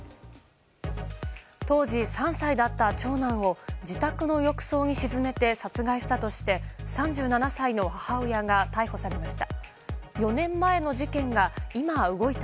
当時３歳だった長男を自宅の浴槽に沈めて殺害したとして３７歳の母親が逮捕されました。